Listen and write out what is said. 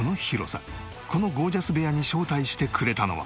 このゴージャス部屋に招待してくれたのは。